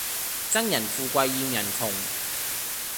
憎人富貴厭人窮